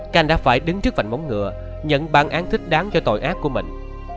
khanh đã phải đứng trước vạnh móng ngựa nhận bàn án thích đáng cho tội ác của mình